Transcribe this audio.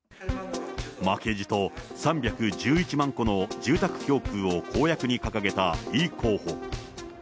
負けじと３１１万戸の住宅供給を公約に掲げたイ候補。